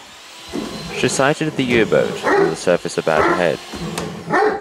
She sighted the U-boat on the surface about ahead.